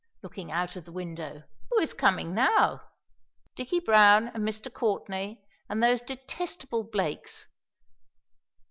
looking put of the window, "who is coming now? Dicky Browne and Mr. Courtenay and those detestable Blakes.